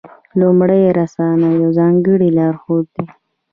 لومړۍ رساله یو ځانګړی لارښود دی.